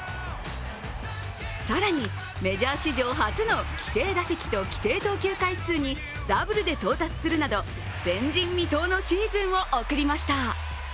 更にメジャー史上初の規定打席と規定投球回数にダブルで到達するなど、前人未到のシーズンを送りました。